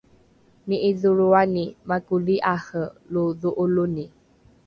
ni’idholroani makoli’are lo dho’oloni